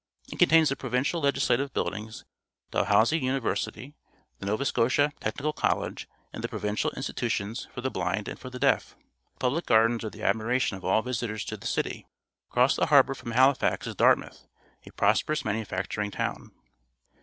It contains the Pro vincial Legislative Buildings, Dalhousie Uni versity, the Nova Scotia Technical College, and the Provincial Institutions for the Blind and for the Deaf. The Public Gardens are •the admiration of all visitors to the city. Across the harbour from Halifax is D art ■ mouth, a prosperous manufacturing town.